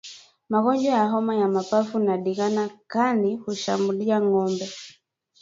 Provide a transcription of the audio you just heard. Magonjwa ya homa ya mapafu na ndigana kali hushambulia ngombe